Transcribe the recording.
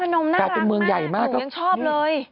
นครพนมน่ารักมากหนูยังชอบเลย